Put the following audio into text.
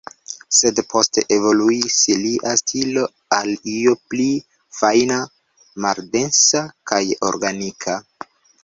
Sed poste, evoluis lia stilo, al io pli fajna, maldensa, kaj organika.